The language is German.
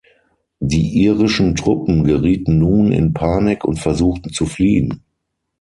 Die irischen Truppen gerieten nun in Panik und versuchten zu fliehen.